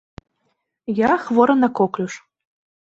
Я хворы на коклюш.